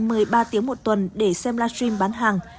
nhiều người mua sắm một tuần để xem live stream bán hàng